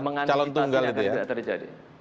menganjurkan yang akan terjadi